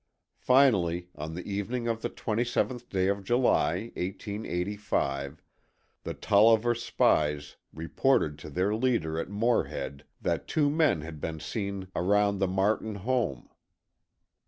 Finally, on the evening of the 27th day of July, 1885, the Tolliver spies reported to their leader at Morehead that two men had been seen around the Martin home.